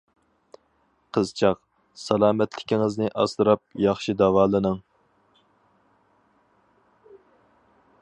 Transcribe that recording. قىزچاق، سالامەتلىكىڭىزنى ئاسراپ، ياخشى داۋالىنىڭ.